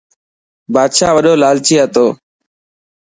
بادشاهه وڏو لالچي هتو.